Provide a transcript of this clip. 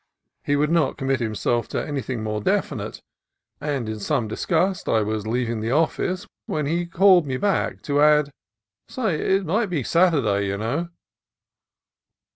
He would not commit himself to any thing more definite, and in some disgust I was leav ing the office when he called me back, to add, "Say, it might be Saturday, you know."